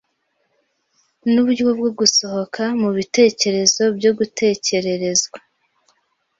Nuburyo bwo gusohoka mubitekerezo byo gutekererezwa